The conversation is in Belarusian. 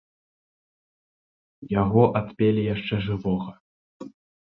Яго адпелі яшчэ жывога.